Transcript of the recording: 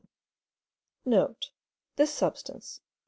*(* This substance, which M.